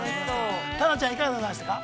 タナちゃん、いかがでございましたか。